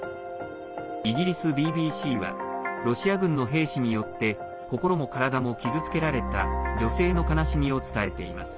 イギリスＢＢＣはロシア軍の兵士によって心も体も傷つけられた女性の悲しみを伝えています。